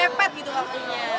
bisa mepet gitu waktunya